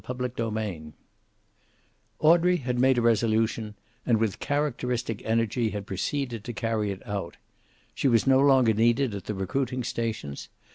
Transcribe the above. CHAPTER XXXIX Audrey had made a resolution, and with characteristic energy had proceeded to carry it out. She was no longer needed at the recruiting stations.